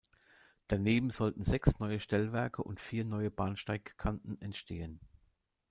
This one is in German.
Daneben sollten sechs neue Stellwerke und vier neue Bahnsteigkanten entstehen.